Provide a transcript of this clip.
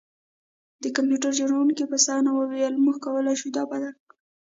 د کمپیوټر جوړونکي په ستاینه وویل موږ کولی شو دا بدل کړو